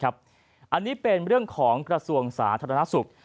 อันนี้เป็นเรื่องของกระทรวงสาธารณสุข